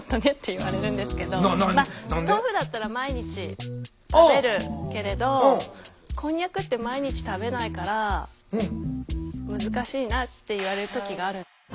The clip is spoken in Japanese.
豆腐だったら毎日食べるけれどこんにゃくって毎日食べないから難しいなって言われる時がある。